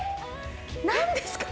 何ですか？